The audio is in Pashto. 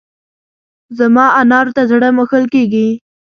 زما انارو ته زړه مښل کېږي.